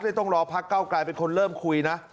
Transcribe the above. ต้องรอพักเก้าไกลเป็นคนเริ่มคุยนะ